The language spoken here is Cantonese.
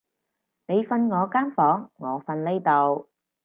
你瞓我間房，我瞓呢度